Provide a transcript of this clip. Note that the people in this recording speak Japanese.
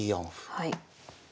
はい。